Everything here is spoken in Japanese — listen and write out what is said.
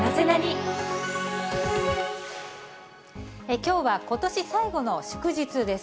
きょうはことし最後の祝日です。